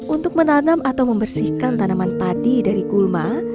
untuk menanam atau membersihkan tanaman padi dari gulma